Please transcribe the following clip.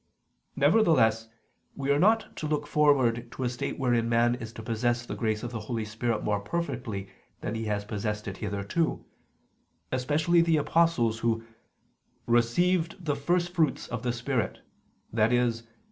Nevertheless we are not to look forward to a state wherein man is to possess the grace of the Holy Ghost more perfectly than he has possessed it hitherto, especially the apostles who "received the firstfruits of the Spirit, i.e.